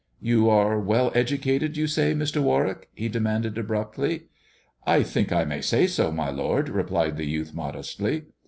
"You are well educated, you say, Mr. Warwick?" he demanded abruptly. "I think I may say so, my lord," replied the youth modestly.